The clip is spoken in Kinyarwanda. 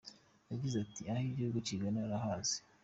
Yagize ati "Aho igihugu kigana urahazi.